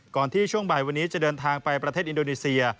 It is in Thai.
ที่ช่วงบ่ายวันนี้จะเดินทางไปประเทศอินโดนีเซีย